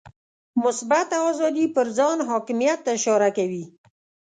مثبته آزادي پر ځان حاکمیت ته اشاره کوي.